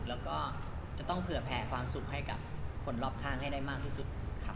แล้วก็จะต้องเผื่อแผ่ความสุขให้กับคนรอบข้างให้ได้มากที่สุดครับ